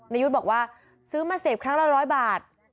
ยุทธ์บอกว่าซื้อมาเสพครั้งละ๑๐๐บาท